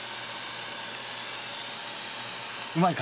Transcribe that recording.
うまいか。